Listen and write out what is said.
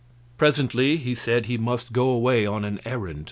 Presently he said he must go away on an errand.